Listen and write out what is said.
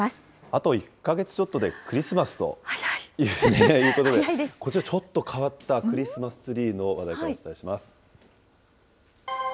あと１か月ちょっとでクリスマスということで、こちらちょっと、変わったクリスマスツリーの話題をお伝えします。